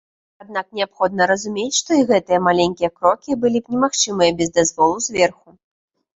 Аднак неабходна разумець, што і гэтыя маленькія крокі былі б немагчымыя без дазволу зверху.